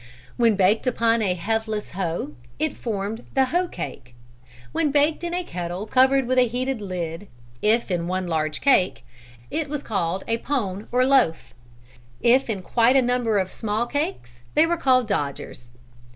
When baked upon a helveless hoe, it formed the Hoe Cake. When baked in a kettle covered with a heated lid, if in one large cake, it was called a Pone or loaf. If in quite a number of small cakes they were called Dodgers.